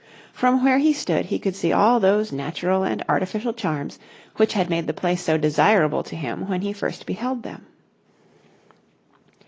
From where he stood he could see all those natural and artificial charms which had made the place so desirable to him when he first beheld them.